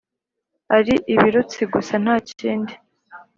ari ibirutsi gusa ntakindi